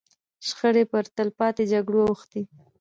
شخړې پر تلپاتو جګړو اوښتې.